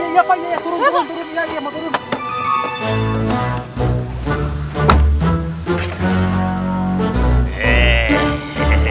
iya pak iya iya turun turun